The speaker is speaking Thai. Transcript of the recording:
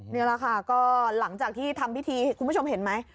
นี่แหละค่ะก็หลังจากที่ทำพิธีคุณผู้ชมเห็นไหม